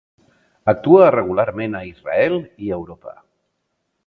Actua regularment a Israel i Europa.